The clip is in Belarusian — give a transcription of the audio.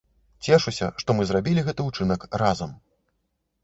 Цешуся, што мы зрабілі гэты ўчынак разам!